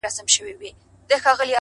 ډېر د کار سړی یمه څه کار به رانه واخلې